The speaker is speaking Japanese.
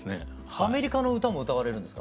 アメリカの歌も歌われるんですか？